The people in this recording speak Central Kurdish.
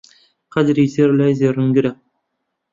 قەدری زێڕ لای زەڕەنگەرە